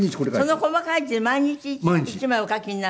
その細かい字で毎日１枚お書きになるの？